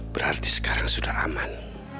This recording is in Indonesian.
berarti sekarang sudah aman